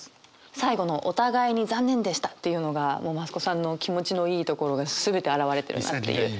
最後の「お互いに残念でした！」っていうのがもう増子さんの気持ちのいいところが全て表れてるなっていう。